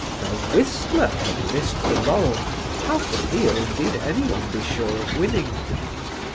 Where Whistler had missed the laurel how could he or indeed anyone be sure of winning?